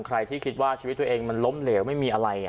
ใครที่คิดว่าชีวิตตัวเองมันล้มเหลวไม่มีอะไร